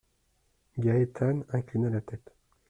Gaétane inclina la tête.